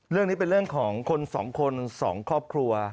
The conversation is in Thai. เรื่องนี้เป็นเรื่องของคนสองคนสองครอบครัว